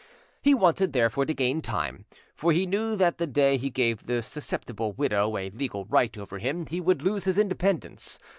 He wanted, therefore, to gain time, for he knew that the day he gave the susceptible widow a legal right over him he would lose his independence.